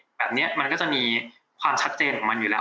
แบบนี้มันก็จะมีความชัดเจนของมันอยู่แล้ว